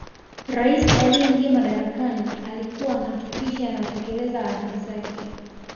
rais aliyeingia madarakani alikuwa anahakikisha anatekeleza ahadi zake